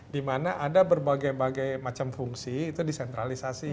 di mana ada berbagai bagai macam fungsi itu disentralisasi